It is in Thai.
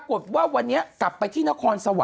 คุณหนุ่มกัญชัยได้เล่าใหญ่ใจความไปสักส่วนใหญ่แล้ว